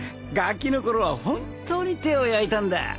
がきのころは本当に手を焼いたんだ